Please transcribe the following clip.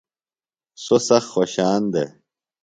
سوۡ سخت خوشان دےۡ۔